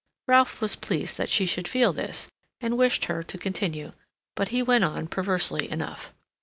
Ralph was pleased that she should feel this, and wished her to continue, but he went on, perversely enough.